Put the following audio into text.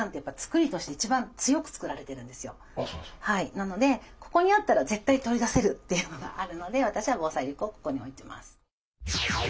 なのでここにあったら絶対取り出せるというのがあるので私は防災リュックをここに置いてます。